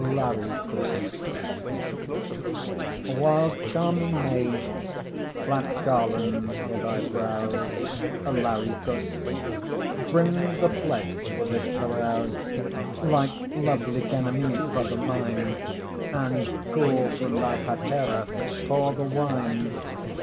LARICHUS While charming maids plait garlands for thy brows, Larichus, bring the pledge for this carouse Like lovely Ganymede, brother mine, And cool from thy patera pour the wine.